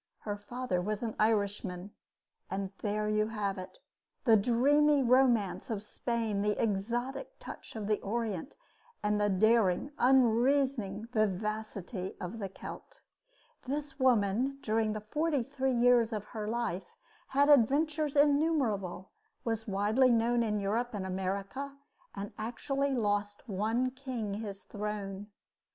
Her father was an Irishman. There you have it the dreamy romance of Spain, the exotic touch of the Orient, and the daring, unreasoning vivacity of the Celt. This woman during the forty three years of her life had adventures innumerable, was widely known in Europe and America, and actually lost one king his throne.